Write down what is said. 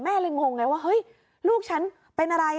เลยงงไงว่าเฮ้ยลูกฉันเป็นอะไร